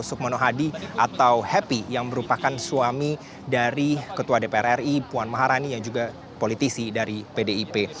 sukmono hadi atau happy yang merupakan suami dari ketua dpr ri puan maharani yang juga politisi dari pdip